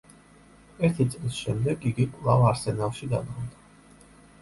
ერთი წლის შემდეგ იგი კვლავ „არსენალში“ დაბრუნდა.